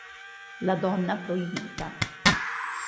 La donna proibita